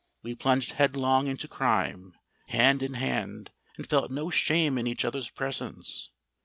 We plunged headlong into crime, hand in hand—and felt no shame in each other's presence.